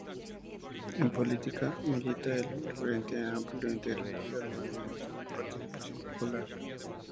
En política, milita en el Frente Amplio, integrándose al Movimiento de Participación Popular.